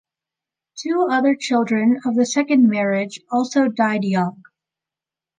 Two other children of the second marriage also died young.